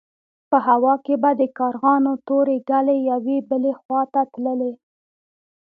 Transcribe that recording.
په هوا کې به د کارغانو تورې ګلې يوې بلې خوا ته تللې.